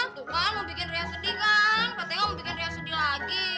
tuh kan membuat ria sedih kan katanya mau bikin ria sedih lagi